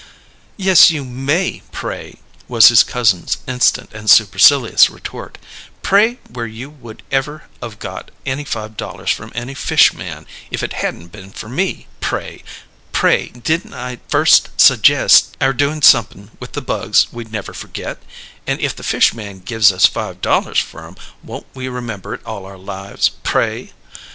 "Yes, you may, pray!" was his cousin's instant and supercilious retort. "Pray where would you ever of got any five dollars from any fish man, if it hadn't been for me, pray? Pray, didn't I first sajest our doing somep'n with the bugs we'd never forget, and if the fish man gives us five dollars for 'em won't we remember it all our lives, pray?